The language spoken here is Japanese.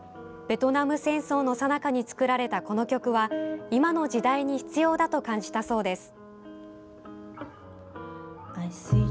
ベトナム戦争のさなかに作られたこの曲は今の時代に必要だと感じたそうです。